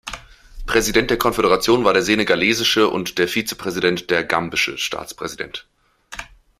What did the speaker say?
Präsident der Konföderation war der senegalesische und der Vizepräsident der gambische Staatspräsident.